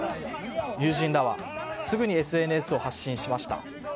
友人らはすぐにＳＮＳを発信しました。